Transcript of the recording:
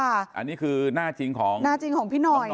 อันนี้คือหน้าจริงของพี่หน่อย